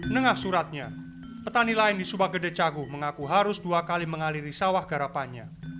nengah suratnya petani lain di subak gede cagu mengaku harus dua kali mengaliri sawah garapannya